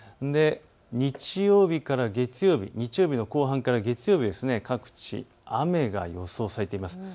日曜日から月曜日、日曜日の後半から月曜日、各地雨が予想されています。